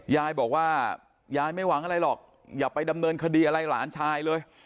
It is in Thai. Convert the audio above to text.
ยายบอกว่ายายไม่หวังอะไรหรอกอย่าไปดำเนินคดีอะไรหลานชายเลย